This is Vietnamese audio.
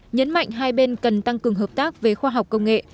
nhấn mạnh hai bên cần tăng cường hợp tác về khoa học công nghệ